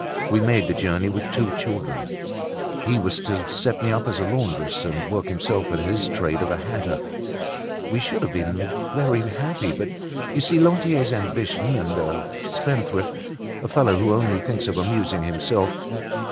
We made the journey with two children. He was to set me up as a laundress, and work himself at his trade of a hatter. We should have been very happy; but, you see, Lantier's ambitious and a spendthrift, a fellow who only thinks of amusing himself.